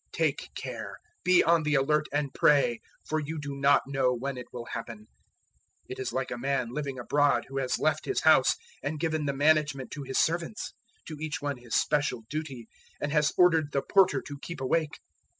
013:033 Take care, be on the alert, and pray; for you do not know when it will happen. 013:034 It is like a man living abroad who has left his house, and given the management to his servants to each one his special duty and has ordered the porter to keep awake.